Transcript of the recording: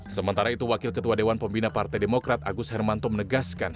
sementara itu wakil ketua dewan pembina partai demokrat agus hermanto menegaskan